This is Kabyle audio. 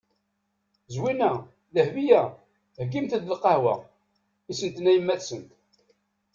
Zwina! Dehbiya! Heyyimt-d lqahwa. I asent-tenna yemma-tsent.